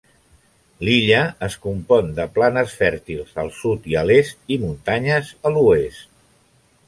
L'illa es compon de planes fèrtils al sud i a l'est i muntanyes a l'oest.